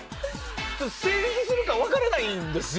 成立するか分からないんですよ。